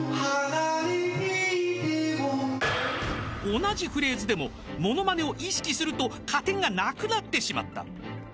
［同じフレーズでもモノマネを意識すると加点がなくなってしまった］